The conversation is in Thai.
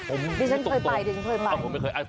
ผมตกตกผมไม่เคยคุณเคยไป